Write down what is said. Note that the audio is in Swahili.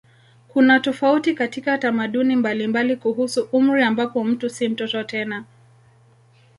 Kuna tofauti katika tamaduni mbalimbali kuhusu umri ambapo mtu si mtoto tena.